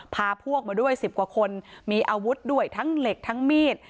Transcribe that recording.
พาพวกมาด้วย๑๐กว่าคนมีอาวุธด้วยทั้งเหล็กทั้งมีด